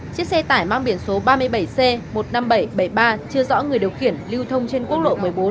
chiếc xe tải mang biển số ba mươi bảy c một mươi năm nghìn bảy trăm bảy mươi ba chưa rõ người điều khiển lưu thông trên quốc lộ một mươi bốn